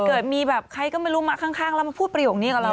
เกิดมีแบบใครก็ไม่รู้มาข้างแล้วมาพูดประโยคนี้กับเรา